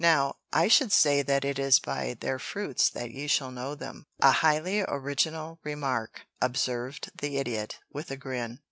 Now, I should say that it is by their fruits that ye shall know them." "A highly original remark," observed the Idiot, with a grin.